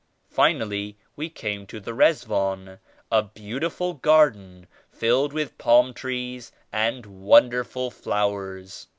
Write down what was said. Finally we came to the Rizwan, a beautiful garden filled with palm trees and wonderful flowers.